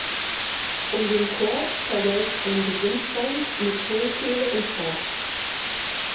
Um den Chor verläuft ein Gesimsband mit Hohlkehle und Stab.